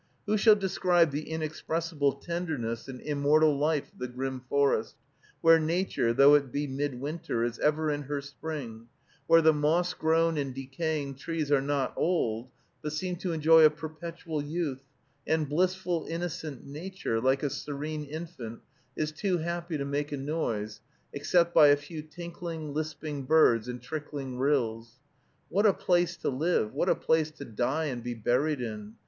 Who shall describe the inexpressible tenderness and immortal life of the grim forest, where Nature, though it be midwinter, is ever in her spring, where the moss grown and decaying trees are not old, but seem to enjoy a perpetual youth; and blissful, innocent Nature, like a serene infant, is too happy to make a noise, except by a few tinkling, lisping birds and trickling rills? What a place to live, what a place to die and be buried in!